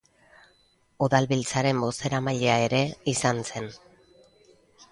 Udalbiltzaren bozeramailea ere izan zen.